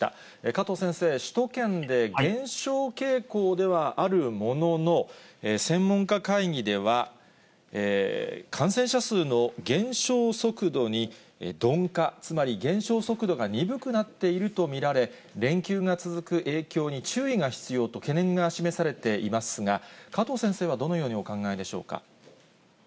加藤先生、首都圏で減少傾向ではあるものの、専門家会議では、感染者数の減少速度に、鈍化、つまり減少速度が鈍くなっていると見られ、連休が続く影響に注意が必要と懸念が示されていますが、加藤先生はどのようにお考えでしょうか。